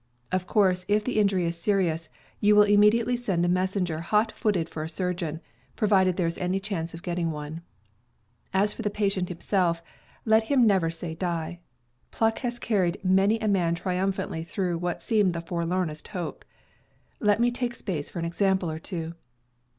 Of course, if the injury is serious, you will immedi ately send a messenger hot footed for a surgeon, pro vided there is any chance of getting one. As for the patient himself, let him never say die. Pluck has carried many a man triumphantly through what seemed the forlornest hope. Let me take space for an example or two.